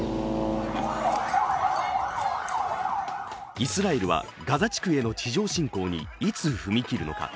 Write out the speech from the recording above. イスラエルはガザ地区への地上侵攻にいつ踏み切るのか。